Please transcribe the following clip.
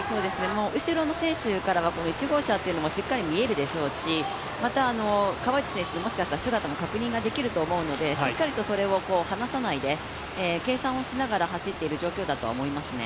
後ろの選手からは１号車はしっかり見えるでしょうし、また、川内選手の姿ももしかしたら確認できると思うので、しっかりそれを離さないで計算をしながら走っている状況だと思いますね。